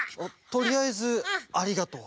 とりあえずありがとう。